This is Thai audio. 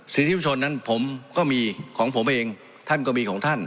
สิทธิประชนนั้นผมก็มีของผมเองท่านก็มีของท่าน